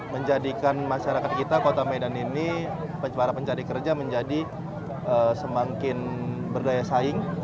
menjadikan masyarakat kita kota medan ini para pencari kerja menjadi semakin berdaya saing